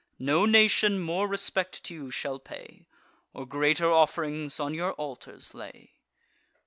No nation more respect to you shall pay, Or greater off'rings on your altars lay."